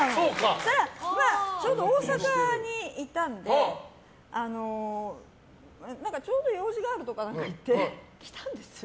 そしたらちょうど大阪にいたのでちょうど用事があるとか何とか言って、来たんですよ